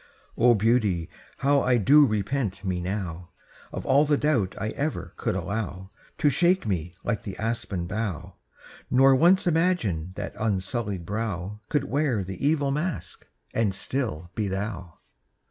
O Beauty, how I do repent me now, Of all the doubt I ever could allow To shake me like the aspen bough; Nor once imagine that unsullied brow Could wear the evil mask And still be thou!